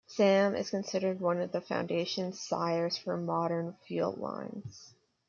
Sam is considered one of the foundation sires for modern field lines.